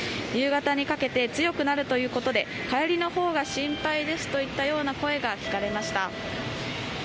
夕方にかけて強くなるということで帰りのほうが心配ですという声が聞かれました。